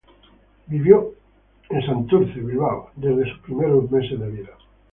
Vivió en Temple, Texas, desde sus primeros meses de vida.